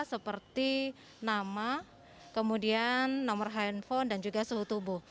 seperti nama kemudian nomor handphone dan juga suhu tubuh